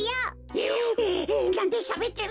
えなんでしゃべってるってか？